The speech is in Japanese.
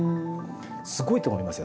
すごいと思いますよ。